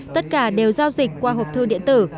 tất cả đều giao dịch qua hộp thư điện tử